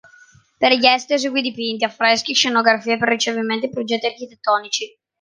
Per gli Este eseguì dipinti, affreschi, scenografie per ricevimenti e progetti architettonici.